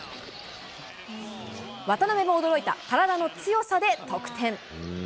渡邊も驚いた、体の強さで得点。